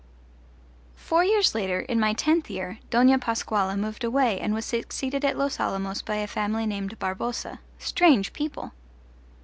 Four years later, in my tenth year, Dona Pascuala moved away and was succeeded at Los Alamos by a family named Barboza: strange people!